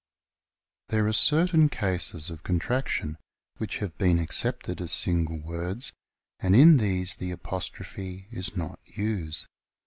There are certain cases of con traction which have been accepted as single words, and in these the apostrophe is not used.